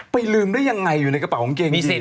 ไม่ลืมได้ยังไงอยู่ในกระเป๋าของเกงดิน